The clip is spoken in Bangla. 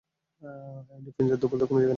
ডিফেন্সে দুর্বলদের কোন জায়গা নেই।